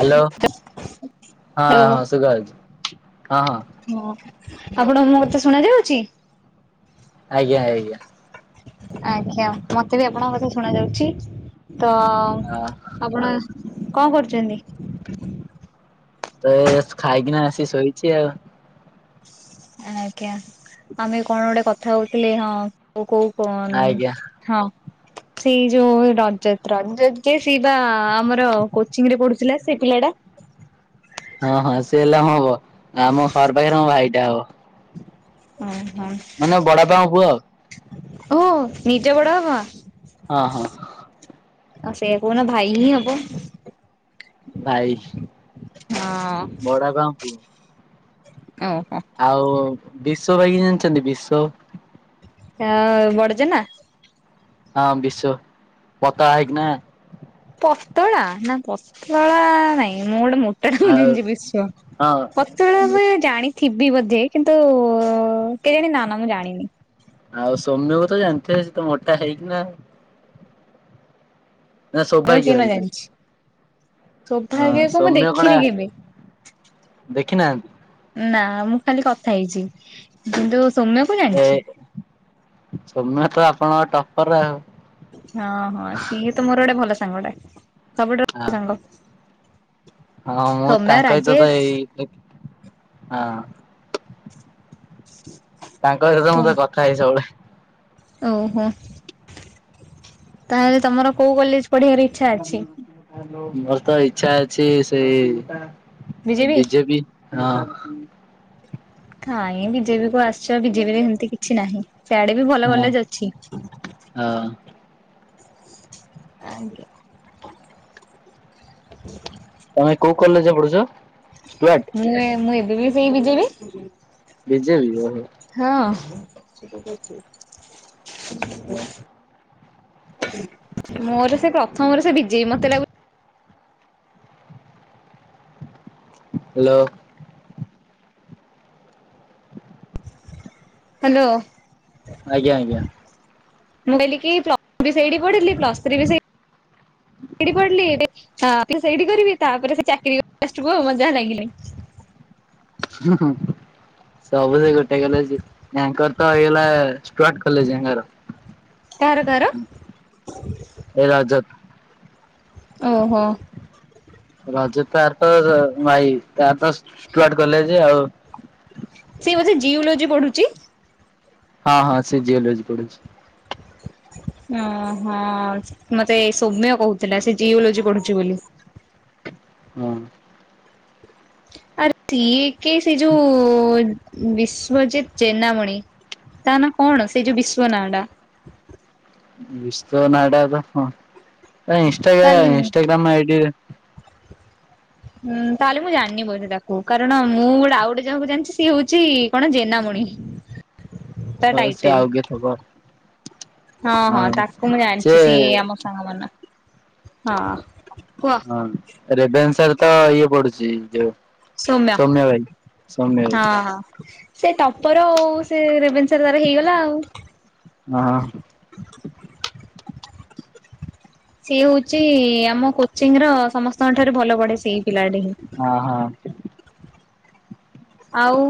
Hello ହଁ hello. ହଁ ସୁଗାଯାଉଛି ହଁ ହଁ। ହଁ ଆପଣଙ୍କୁ ମୋ କଥା ଶୁଣା ଯାଉଛି? ଆଜ୍ଞା ଆଜ୍ଞା। ଆଜ୍ଞା ମତେ ବି ଆପଣଙ୍କ କଥା ଶୁଣା ଯାଉଛି। ତ ହଁ। ଆପଣ କଣ କରୁଛନ୍ତି? ତ ଏ ଖାଇକିନା ଆସି ଶୋଇଛି ଆଉ। ଆଜ୍ଞା ଆମେ କଣ ଗୋଟେ କଥା ହଉଥିଲେ ହଁ କୋ କୋଉ କଣ ଆଜ୍ଞା ହଁ। ସେଇ ଯୋଉ ରଜତ ରଜତ ଯେ ସେ ବା ଆମର କୋଚିଂ ରେ ପଢୁଥିଲା ସେ ପିଲା ଟା। ହଁ ହଁ ସେ ହେଲା ହବ ଆମ ଘର ପାଖରେ ମୋ ଭାଇଟା ହବ। ହଁ ହଁ। ମାନେ ବଦବାପଙ୍କ ପୁଅ ଆଉ। ଓ ନିଜ ବଡ ବାପା? ହଁ ହଁ। ଆଉ ସେଇଆ କଉନ ଭାଇ ହିଁ ହବ। ଭାଇ ହଁ ବଡାପା ଙ୍କ ପୁଅ। ଓହୋ। ଆଉ ବିଷ ଭାଇ କି ଜାଣିଛନ୍ତି ବିଷ। ଆ ବଡଜେନା। ହଁ ବିଶ୍ୱ ପତଳା ହେଇକିନା। ପତଳା ନା ପତଳା ନାଇଁ ମୁଁ ଗୋଟେ ମ ଆଉ [unintelligible] ବିଶ୍ଵ ପ ସେତେବେଳେ ହଁ ମୁଁ ଜାଣିଥିବି ବୋଧେ କିନ୍ତୁ କେ ଜାଣି ନା ନା ମୁଁ ଜାଣିନି। ଆଉ ସୌମ୍ୟକୁ ତ ଜାଣିଥିବେ ସେ ତ ମୋଟା ହେଇକି ନା। ନା ଆଉ କିଏ ସୌଭାଗ୍ୟ ନ ଭାଇ ସିଏ। ଜାଣିଛି ହଁ ସୌଭାଗ୍ୟକୁ ମୁଁ ସୌମ୍ୟ କଡା ଦେଖିନି କେବେ। ଦେଖିନାହାନ୍ତି ନା ମୁଁ ଖାଲି କଥା ହେଇଛି କିନ୍ତୁ ସୌମ୍ୟ ଏଇ ସୌମ୍ୟ ତ ଆପଣଙ୍କ ଟପର ରେ ଆଉ। ହଁ ହଁ ସିଏ ତ ମୋର ଗୋଟେ ଭଲ ସାଙ୍ଗ ଟା ସବୁଠାରୁ ହଁ ଭଲ ସାଙ୍ଗ। ହଁ ମୁଁ ସୌମ୍ୟ ତାଙ୍କ ସହିତ ତ ରାଜେଶ ଏଇ ହଁ। ତାଙ୍କ ଘରେ ତ ମୁଁତ କଥା ହେଇ ସବୁବେଳେ। ଓହୋ ତାହେଲେ ତମର କୋଉ କଲେଜ ପଢିବାର ଇଚ୍ଛା ଅଛି ମୋର ତ ଇଚ୍ଛା ଅଛି ସେଇ ବିଜେପି? ବିଜେବି। ହଁ। କାଇଁ ଏଇ ବିଜେପି କୁ ଆସିଛ ବିଜେପି ରେ ଏମିତି କିଛି ନାହିଁ ସେଆଡେ ବି ଭଲ ହଁ ଭଲେଜ ଅଛି। ହଁ। ଆଞ। ତମେ କୋଉ କଲେଜ ପଡୁଛ? ସ୍ଟ [unintelligible] ମାନେ ମୁଁ ଏବେ ବି ସେଇ ବିଜେବି। ବିଜେ ବି ଓହୋ। ହଁ। ମୋର ସେ ପ୍ରଥମରେ ସେ ବିଜେବି ମତେ ଲାଗୁ ହ୍ୟାଲୋ। ହ୍ୟାଲୋ। ଆଜ୍ଞା ଆଜ୍ଞା। ମୁଁ କହିଲି କି ପ୍ଲ ବି ସେଇଠି ପଡିଲି ପ୍ଲସ୍ ଥ୍ରୀ ବି ସେ ସେଇଠି ପଢିଲି। ହଁ ସେଇଠି କରିବି ତାପରେ ସେ ଚାକିରି ମଜା ଲାଗିଲେ। ହୁଁ ସବୁ ସେ ଗୋଟେ ଗଲେ ୟାଙ୍କର ତ ହେଇଗଲା। ପ୍ଲଟ କଲେଜ ଆଙ୍ଗାର। କାହାର କାହାର? ଏଇ ରଜତ। ଓହୋ। ରଜ ତାର ତ ଭାଇ ତାର ଷ୍ଟୁଆର୍ଟ କଲେଜ ଆଉ ସେ ବୋଧେ ଜିଓଲୋଜି ପଢୁଛି। ହଁ ହଁ ସେ ଜିଓଲୋଜି ପଢୁଛି। ଓ ହଁ ମତେ ସୌମ୍ୟ କହୁଥିଲା ସେ ଜିଓଲୋଜି ପଢୁଛି ବୋଲି। ହଁ। ଆରେ ଦିଏ କେ ସେ ଯୋଉ ବିଶ୍ୱଜିତ୍ ଜେନା ମଣି ତା ନା କଣ ସେ ଯୋଉ ବିଶ୍ଵନାଁ ଟା। ବିଶ୍ୱ ନାଁ ଟା ତ ହଁ ତା ଇନସ୍ଟାଗ୍ରାମ ତା ଇନସ୍ଟାଗ୍ରାମ ଆଇଡି। ହୁଁ ତାହେଲେ ମୁଁ ଜାଣିନି ବୋଧେ ତାକୁ କାରଣ ମୁଁ ଗୋଟେ ଆଉ ଯାହାକୁ ଜାଣିଛି ସିଏ ହଉଛି କଣ ଜେନାମଣି। ତା ହଉ ସେ ଟାଇଟେଲ ଆଉ କେ ଥବ। ହଁ ହଁ ତାକୁ ମୁଁ ସେ ଜାଣିଛି ସିଏ ଆମ ସାଙ୍ଗ ମ ହଁ କୁହ? ହଁ ରେଭେନ୍ସାରେ ତ ଇଏ ପଡୁଛି ଯୋଉ ସୌମ୍ୟ ଭାଇ ସୌମ୍ୟ ଭାଇ। ହଁ। ସେ ଟପର ଆଉ ସେ ରେଭେନ୍ସାରେ ତାର ହେଇଗଲା ଆଉ ହଁ। ସିଏ ହଉଛି ଆମ କୋଚିଂର ସମସ୍ତଙ୍କ ଠାରୁ ଭଲ ପଢେ ସିଏ। ହଁ ହଁ। ଆଉ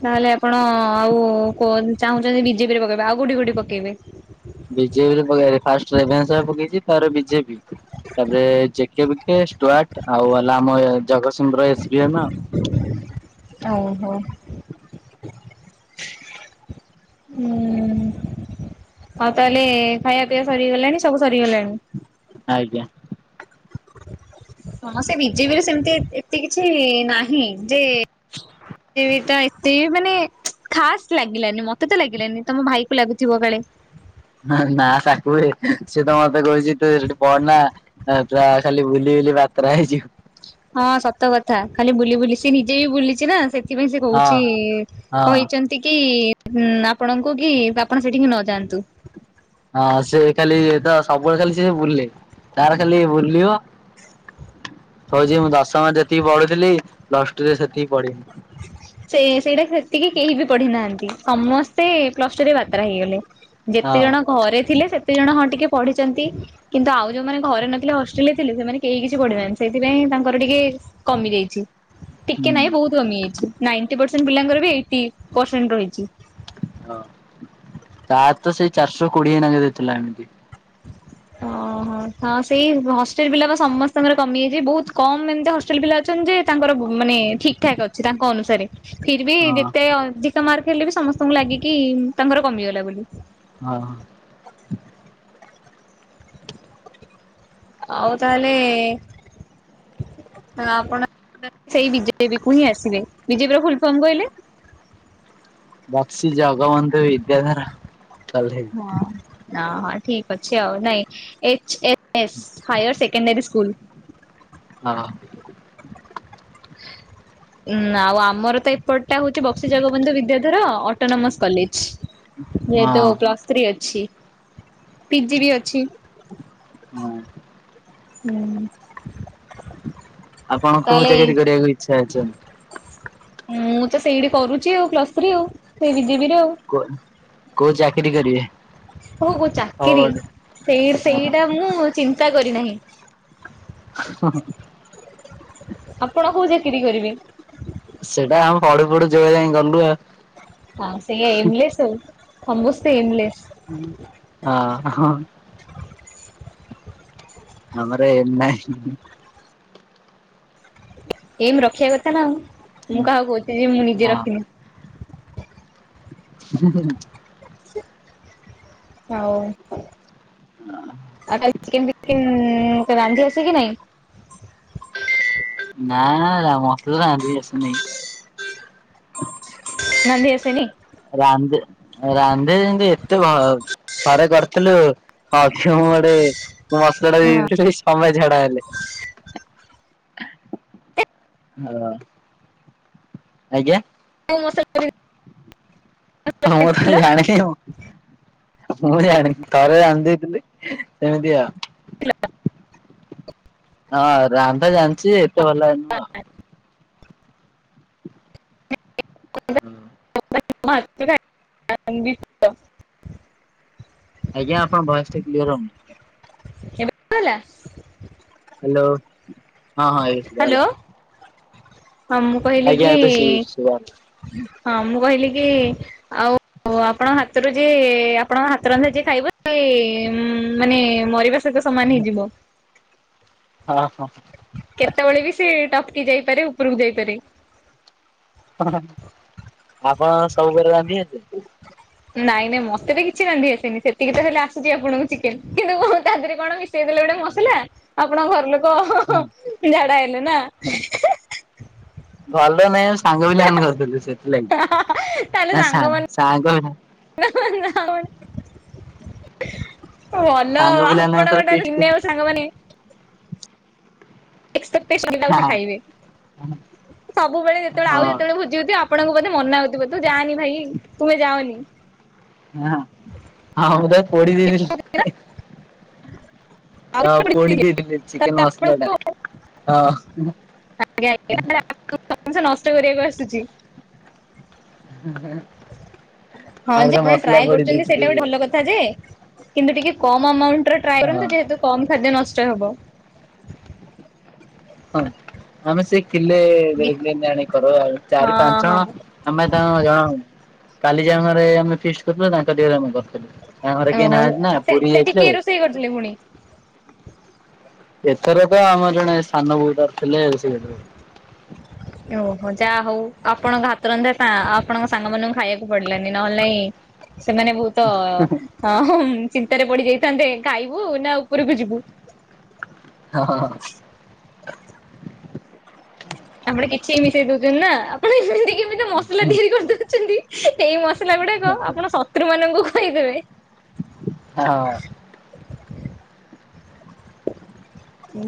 ତାହେଲେ ଆପଣ ଆଉ ଚାହୁଁଛନ୍ତି ବିଜେପିରେ ପକେଇବେ ଆଉ କୋଉଠି କୋଉଠି ପକେଇବେ? ବିଜେପିରେ ପକେଇ ଫାଷ୍ଟ ରେଭେନ୍ସାରେ ପକେଇଛି ତାରେ ବିଜେପି। ତାପରେ ଜେକେବିକେ ଷ୍ଟୁଆର୍ଟ ଆଉ ହେଲା ଆମ ଜଗତସିଂହପୁରର ଏସ ବି ଏମ୍ ଆଉ ଓ ହୋ। ହୁଁ ଆଉ ତାହେଲେ ଖାଇବା ପିଇବା ସରିଗଲାଣି ସବୁ ସରିଗଲାଣି। ଆଜ୍ଞା। ହଁ ସେ ବିଜେପିରେ ସେମିତି ଏତେ କିଛି ନାହିଁ ଯେ ସେଇଟା ଏତେ ଇଏ ମାନେ ଖାସ୍ ଲାଗିଲାନି ମତେ ତ ଲାଗିଲାନି ତମ ଭାଇକୁ ଲାଗୁଥିବ କାଳେ? ନା ତାକୁୁଏ ସିଏ ତ ମତେ କହୁଛି ତୁ ସେଠି ପଢନା? ଆ ପୁରା ଖାଲି ବୁଲି ବୁଲି ବାତରା ହେଇଯିବୁ। ହଁ ସତ କଥା ଖାଲି ବୁଲି ବୁଲି ସିଏ ନିଜେ ବି ବୁଲିଛି ନା ସେ ସେଥିପାଇଁ ସେ ହଁ କହୁଛି ହଁ। କହିଛନ୍ତି ଟିକିଇ ଆପଣଙ୍କୁ କି ଆପଣ ସେଠିକି ନଯାଆନ୍ତୁ? ହଁ ସେ ଖାଲି ତ ସବୁବେଳେ ଖାଲି ସେ ବୁଲେ ତାର ଖାଲି ବୁଲିବ। କଉଛି ମୁଁ ଦଶମ ଯେତିକି ପଢୁଥିଲି ପ୍ଲସ ଟୁରେ ସେତିକି ପଢିନି। ହ ସେ ସେଇଟା ସେତିକି କେହି ବି ପଢି ନାହାନ୍ତି ସମସ୍ତେ ପ୍ଲସ ଟୁ ରେ ବାତରା ହେଇଗଲେ। ହଁ ଯେତେ ଜଣ ଘରେ ଥିଲେ ସେତେ ଜଣ ହଁ ଟିକେ ପଢିଛନ୍ତି। କିନ୍ତୁ ଆଉ ଯୋଉମାନେ ଘରେ ନଥିଲେ ହଷ୍ଟେଲରେ ଥିଲେ ସେମାନେ କେହି କିଛି ପଢିନାହାଁନ୍ତି ସେଇଥିପାଇଁ ତାଙ୍କର ଟିକେ କମି ଯାଇଛି। ଟିକେ ନାହିଁ ବହୁତ କମି ଯାଇଛି ନାଇଣ୍ଟି ପରସେଣ୍ଟ ପିଲାଙ୍କର ବି ଏଇଟି ପରସେଣ୍ଟ ରହିଛି। ହଁ ତାର ତ ସେଇ ଚାରିଶହ କୋଡିଏ ନା କେତେ ଥିଲା? ଓହୋ ସେଇ ହଷ୍ଟେଲ ପିଲା ବା ସମସ୍ତଙ୍କର କମିଯାଇଛି ବହୁତ କମ ଏମିତି ହଷ୍ଟେଲ ପିଲା ଯେ ତାଙ୍କର ମାନେ ଠିକ ଠାକ୍ ଅଛି ତାଙ୍କ ଅନୁସାରେ। ଫିର୍ ବି ହଁ ଯେତେ ଅଧିକ ମାର୍କ ହେଲେ ବି ସମସ୍ତଙ୍କୁ ଲାଗେକି ଉଁ ତାଙ୍କର କମିଗଲା ବୋଲି। ହଁ। [inaudible] ଆଉ ତାହେଲେ ଆଉ ଆପଣ ସେଇ ବିଜେପି କୁ ହିଁ ଆସିବେ ବିଜେପିର ଫୁଲ ଫର୍ମ କହିଲେ? ବକ୍ସି ଜଗବନ୍ଧୁ ବିଦ୍ୟାଧର। କଲେଜ ହଁ। ନା ହଁ ଠିକ୍ ଅଛି ଆଉ ନାଇଁ H A S higher secondary school. ହଁ। [inaudible] ଉଁ ଆଉ ଆମର ତ ଏପଟଟା ହଉଛି ବକ୍ସି ଜଗବନ୍ଧୁ ବିଦ୍ୟାଧର ଅଟୋନୋମସ କଲେଜ। ଯେହେତୁ ହଁ। ପ୍ଲସ୍ ଥ୍ରୀ ଅଛି ପିଜି ବି ଅଛି। ହୁଁ। ହୁଁ। ଆପଣ କୋଉ ତାହେଲେ ଜାଗାରେ ଗଡିବାକୁ ଇଚ୍ଛା ଅଛନ୍ତି। ହ ମୁଁ ତ ସେଇଠି କରୁଛି ଆଉ ପ୍ଲସ୍ ଥ୍ରୀ ଆଉ ସେଇ ବିଜେିବି ରେ ଆଉ। କୋଉ ଚାକିରୀ କରିବେ। ଓହୋ ଚାକିରି ଫରୱାର୍ଡ ସେଇ ସେଇଟା ହଁ ମୁଁ ଚିନ୍ତା କରିନାହିଁ। ହଁ ହଁ ଆପଣ କୋଉ ଚାକିରି କରିବେ। ସେଇଟା ଆମେ ପଢ଼ୁ ପଢ଼ୁ ଯୋ ଯାଇଁ ଗଲୁ ଆଉ। ହଁ ସେ ଏମଲେସ ସମସ୍ତେ ଏମଲେସ। ହଁ ହଁ। ଆମର ଏମ୍ ନାହିଁ। ଏଇମ ରଖିବା କଥା ନା ଆଉ ମୁଁ କାହାକୁ କହୁଛି ଯେ ମୁଁ ନିଜେ ହଁ ରଖିନି। [inaudible] ହଉ। ହଁ। [unintelligible] ରାନ୍ଧି ଆସେ କି ନାଇଁ। ନା ନା ମୋତେ ରାନ୍ଧି ଆସେ ନାହିଁ। ରାନ୍ଧି ଆସେନି। ରାନ୍ଧେ ରାନ୍ଧେ ଏତେ ଭ ହରେ କରିଥିଲୁ ଅକ୍ଷ ଗଡେ ମସଲାଟା ଦେଇ ହଁ ଦେଇଥିଲି ସମସ୍ତେ ଝାଡା ହେଲେ। [inaudible] ହଁ। ଆଜ୍ଞା। [unintelligible] ମୁଁ ତ ଦେଇଥିଲ ଜାଣିନି ଆଉ। ମୁଁ ଆଣିନି ଥରେ ଆଣିଦେଇଥିଲି ସେମିତିଆଉ। ହଁ ରାନ୍ଧା ଜାଣିଛି ଏତେ ଭଲରେ ନୁହଁ। [unintelligible] ଆଜ୍ଞା ଆପଣଙ୍କ ଭଏସଟା କ୍ଲିୟର ହଉନି। [unintelligible] ହେଲା। ହ୍ୟାଲୋ ହଁ ହଁ ଏଇ ହ୍ୟାଲୋ ଶୁଭାଗଲା। ହଁ ମୁଁ କହିଲି ଆଜ୍ଞା କି ଏବେ ଶୁଭୁଛି ଶୁଭାଗଲା। ହଁ ମୁଁ କହିଲି କି ଆଉ ଓହୋ ଆପଣଙ୍କ ହାତରୁ ଯିଏ ଆପଣଙ୍କ ହାତରନ୍ଧା ଯିଏ ଖାଇବ ସେ ମାନେ ମରିବା ସେହିତ ସମାନ ହେଇଯିବ। ହଁ ହଁ। କେତେବେଳେ ବି ସେ ଟପକି ଯାଇପାରେ ଉପରକୁ ଯାଇପାରେ। ଆପଣଙ୍କୁ ସବୁ [unintelligible] ରାନ୍ଧି ଆସେ? [inaudible] ନାଇଁ ନାଇଁ ମତେ ତ କିଛି ରାନ୍ଧି ଆସେନି ସେତିକି ତ ହେଲେ ଆସୁଛି ଆପଣଙ୍କୁ ଚିକେନ, କିନ୍ତୁ [unintelligible] ତା ଦେହରେ କଣ ମିଶ ଶେଇ ଦେଲେ ଗୋଟେ ମସଲା, ଆପଣଙ୍କ ଘର ଲୋକ ଝାଡା ହେଲେ ନା। ଭଲ ନାଇଁ ସାଙ୍ଗ ପିଲାମାନେ କରିଥିଲେ ସେଥିଲାଗି। ତାହେଲେ ସାଙ୍ଗମାନେ ସାଙ୍ଗମାନେ ସାଙ୍ଗମାନେ। ଭଲ ଆଉ ସାଙ୍ଗ ପିଲାମାନଙ୍କ ଆପଣ ଥରେ ଗୋଟେ ଫିଷ୍ଟ କଲୁ ଦିନେ ସାଙ୍ଗମାନେ ଏକ୍ସପେକ୍ଟଟେସନ ହଁ [unintelligible] ଖାଇବେ। ସବୁବେଳେ ଯେତେବେଳେ ଆଉ ଯେତେବେଳେ ଭୋ ଜି ହେଉଥିବ ଆପଣଙ୍କୁ ବୋଧେ ମନା ହଉଥିବ ତୁ ଯାଆନି ଭାଇ, ତୁମେ ଯାଅନି। ହଁ ଆଉ [unintelligible] ପୋଡ଼ି ଦେଇଥିଲି। [unintelligible] ଆପଣଙ୍କୁ ଆଉ ପୋଡ଼ି ଦେଇଥିଲି ଚିକେନ ମସଲାଟା, ହଁ। [unintelligible] ଜିନିଷ ନଷ୍ଟ କରିବାକୁ ଆସୁଛି। ହୁଁ ହଁ ଯେ ଆପଣ ଟ୍ରାଏ କରୁଛନ୍ତି ଦେଇଥିଲି ସେଇଟା ଗୋଟେ ଭଲ କଥା ଯେ କିନ୍ତୁ ଟିକେ କମ ଆମାଉଣ୍ଟ ରେ ଟ୍ରାଏ ହଁ କରନ୍ତୁ ଯେହେତୁ କମ ଖାଦ୍ୟ ନଷ୍ଟ ହେବ। ହଁ ଆମେ ସେ କିଲେ ଦେଢ଼ କିଲେ ଏମତି ଆଣିକି କରୁ ଆଉ ହଁ ଚାରି ପାଞ୍ଚ ହଁ ଜଣ ଆମେ ତାଙ୍କୁ ଜଣଉନୁ କାଲି ଯେ ଆମର ଏ ଆମେ ଫିଷ୍ଟ କରୁଥିଲୁ ତାଙ୍କ। [unintelligible] ତାଙ୍କ ଘରେ କେହି ଓହୋ ନାହାନ୍ତି ନା ପୁରୀ ସେଠି ଯାଇଥିଲେ କିଏ କରିଥିଲେ ପୁଣି? ଏଥରକ ଆମର ଜଣେ ସାନ ବୋର କରି ରୋଷେଇ [unintelligible] ଓହୋ ଯାହା ହଉ ଆପଣଙ୍କ ଘାତରନ୍ଧଟା ଆପଣଙ୍କ ସାଙ୍ଗମାନଙ୍କୁ ଖାଇବାକୁ ପଡିଲାନି ନହେଲେ ନାଇଁ ସେମାନେ ବହୁତ ଅ ଚିନ୍ତାରେ ପଡି ଯାଇଥାନ୍ତେ ଖାଇବୁ ନା ଉପରକୁ ଯିବୁ? ହଁ ହଁ ହଁ। ଆପଣ କିଛି ବି ମିଶେଇ ଦଉଛନ୍ତି ନା, ଆପଣ ଏମିତି କେମତି ମସଲା ତିଆରି କରିଦଉଛନ୍ତି ସେଇ ମସ୍ ଲା ଗୁଡାକ ଆପଣ ଶତ୍ରୁମାନଙ୍କୁ ଖୋଇଦେବେ। ଆ ହଁ।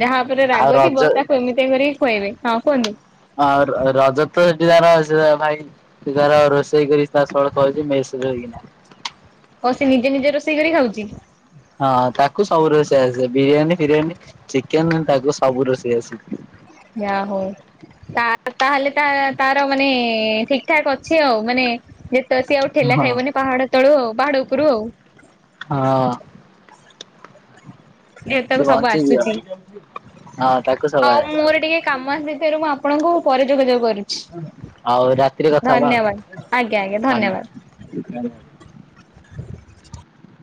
ଯାହା ଉପରେ ଆଉ ରାଗ ଥିବ ରଜ ତାକୁ ଏମିତିଆ କରିକି ଖୁଆଇବେ। ହଁ କୁହନ୍ତୁ? ଆଉ ର ରଜ ତ ସେଠି ତାର ଅ ସେ ଭାଇ ସେ ତାର ରୋଷେଇ କରି ତା ସଳଖଉଛି ମେଶ୍ ରେ ରହିକିନା। ଓ ସେ ନିଜେ ନିଜେ ରୋଷେଇ କରି ଖାଉଛି? ହଁ ତାକୁ ସବୁ ରୋଷେଇ ଆସେ ବିରିୟାନୀ, ଫିରିୟାନୀ ଚିକେନ ତାକୁ ସବୁ ରୋଷେଇ ଆସେ। ଯା ହଉ। ତା ତାହେଲେ ତା ତାର ମାନେ ଠିକ ଠାକ ଅଛି ଆଉ ମାନେ ଯେ ତ ସିଏ ଆଉ ଠେଲା ହଁ ଖାଇବନି ପାହାଡ ତଳୁ ଆଉ ପାହାଡ ଉପରୁ ଆଉ। ହଁ। ସେ ଯେତକ ସବୁ ବଞ୍ଚିଯିବ। ଆସୁଛି, ହଁ ତାକୁ ସବୁ ହଉ ଆସେ ମୋର ଟିକେ କାମ ଆସିଥାରୁ ମୁଁ ଆପଣଙ୍କୁ ପରେ ଯୋଗାଯୋଗ କରି ଆଉ ରାତିରେ କଥା ହବା ଆଜ୍ଞା ଆଜ୍ଞା ଧନ୍ୟବାଦ। [inaudible]